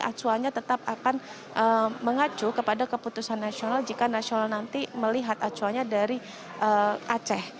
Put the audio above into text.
acuannya tetap akan mengacu kepada keputusan nasional jika nasional nanti melihat acuannya dari aceh